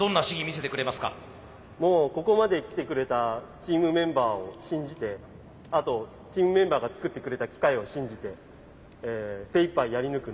もうここまで来てくれたチームメンバーを信じてあとチームメンバーが作ってくれた機械を信じて精いっぱいやり抜くのみです。